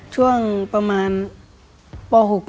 ช่วงประมาณป๖